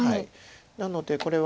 なのでこれは。